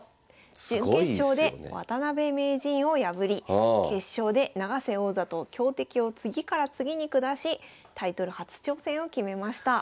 準決勝で渡辺名人を破り決勝で永瀬王座と強敵を次から次に下しタイトル初挑戦を決めました。